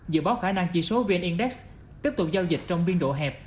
dự báo khả năng chỉ số vn index tiếp tục giao dịch trong biên độ hẹp